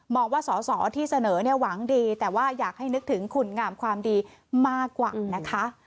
ว่าสอสอที่เสนอเนี่ยหวังดีแต่ว่าอยากให้นึกถึงคุณงามความดีมากกว่านะคะ